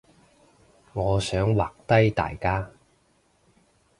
我想畫低大家